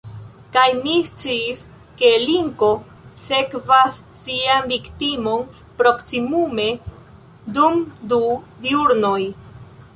Kaj mi sciis, ke linko sekvas sian viktimon proksimume dum du diurnoj.